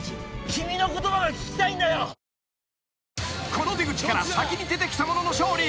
［この出口から先に出てきた者の勝利］